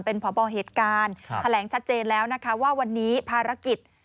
เป็นพบเหตุการณ์แถลงชัดเจนแล้วนะคะว่าวันนี้ภารกิจ